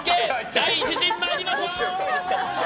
第１陣、参りましょう！